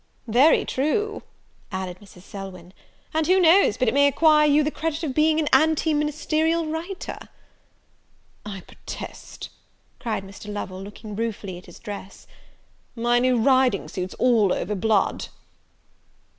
"Very true," added Mrs. Selwyn; "and who knows but it may acquire you the credit of being an anti ministerial writer?" "I protest," cried Mr. Lovel, looking ruefully at his dress, "my new riding suit's all over blood!"